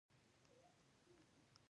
پښتو ژبې خپل رسم الخط درلودلی وو.